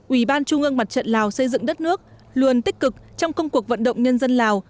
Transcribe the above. ủy ban trung ương mặt trận lào xây dựng đất nước luôn tích cực trong công cuộc vận động nhân dân lào